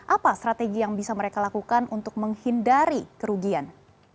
apa strategi yang bisa mereka lakukan untuk menghindari kerugian